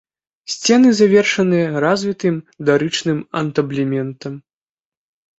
Сцены завершаныя развітым дарычным антаблементам.